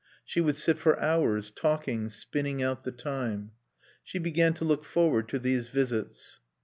She would sit for hours, talking, spinning out the time. She began to look forward to these visits.